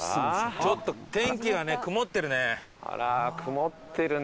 ちょっと天気がねあら曇ってるね